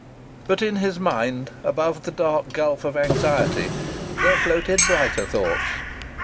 But, in his mind, above the dark gulf of anxiety, there floated brighter thoughts.